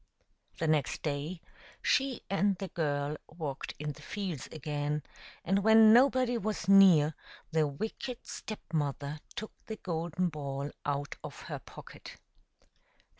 The next day she and the girl walked in the fields again, and when nobody was near the wicked Step mother took the golden ball out of her pocket.